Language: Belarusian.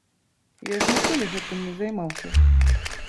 Я ж ніколі гэтым не займаўся.